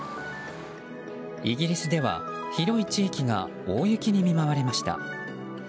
イギリスでは広い地域が大雪に見舞われました。